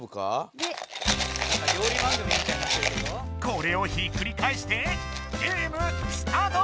これをひっくり返してゲームスタート！